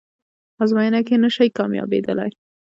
ازموینه کې نشئ کامیابدلی